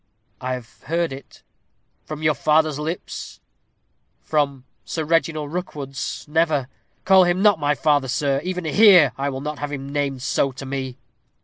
"I have heard it." "From your father's lips?" "From Sir Reginald Rookwood's never. Call him not my father, sirrah; even here I will not have him named so to me."